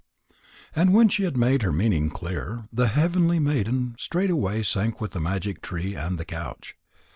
And when she had made her meaning clear, the heavenly maiden straightway sank with the magic tree and the couch.